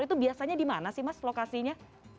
itu biasanya di mana sih mas lokasinya